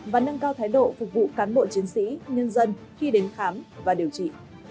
và nâng cao thái độ phục vụ cán bộ chiến sĩ nhân dân khi đến khám và điều trị